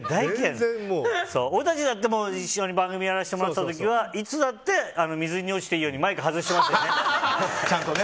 俺たちだって一緒に番組やらせてもらってた時はいつ水に落ちてもいいようにマイク外してましたもんね。